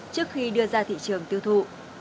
trước khi đưa ra thị trường tiêu thụ